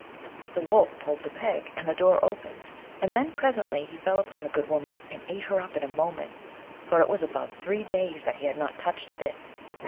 The Wolf pull'd the peg, and the door opened, and then presently he fell upon the good woman, and ate her up in a moment; for it was above three days that he had not touched a bit.